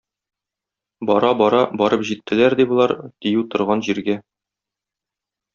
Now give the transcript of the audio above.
Бара-бара барып җиттеләр, ди, болар дию торган җиргә.